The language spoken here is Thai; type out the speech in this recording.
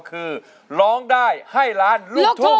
คือร้องได้ให้ล้านลูกทุ่ง